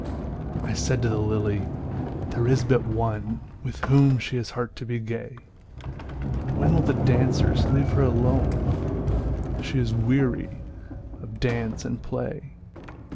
I said to the lily, "There is but one With whom she has heart to be gay. When will the dancers leave her alone? She is weary of dance and play."